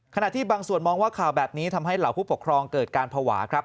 ขณะที่บางส่วนมองว่าข่าวแบบนี้ทำให้เหล่าผู้ปกครองเกิดการภาวะครับ